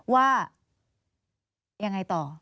ว่ายังไงต่อ